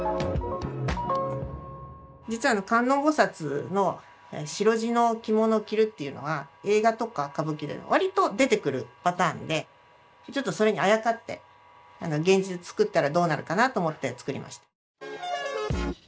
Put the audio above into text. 実は観音菩薩の白地の着物を着るっていうのは映画とか歌舞伎でわりと出てくるパターンでちょっとそれにあやかって現実作ったらどうなるかなと思って作りました。